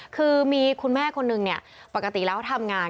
คือมีคุณแม่คนนึงเนี่ยปกติแล้วทำงาน